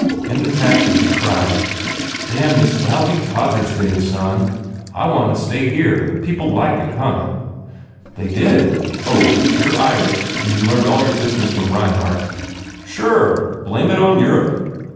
In the taxi, he cried, "Damn this lousy Todgers thing, son! I want to stay here. People liked it, huh?" "They did. Oh, you re Irish and you learned all your business from Reinhardt." "Sure! Blame it on Europe!